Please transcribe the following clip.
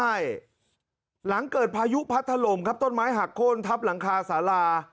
ใช่หลังเกิดพายุพัดถล่มครับต้นไม้หักโค้นทับหลังคาสารา